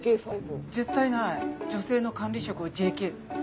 絶対ない女性の管理職を「ＪＫ」って。